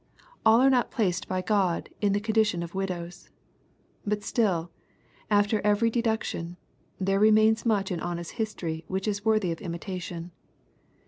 All are not placed by God in the condition of widows. But still, after every deduction, there remains much in Anna's history which is worthy of imitation.